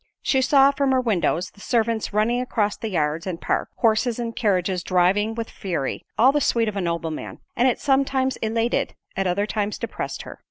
She saw from her windows, the servants running across the yards and park; horses and carriages driving with fury; all the suite of a nobleman; and it sometimes elated, at other times depressed her.